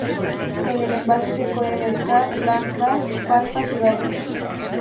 En el embalse se pueden pescar black bass, carpas y barbos.